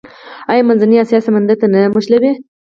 آیا منځنۍ اسیا سمندر ته نه نښلوي؟